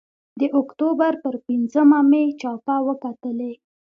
د اکتوبر پر پینځمه مې چاپه وکتلې.